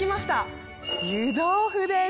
湯豆腐です。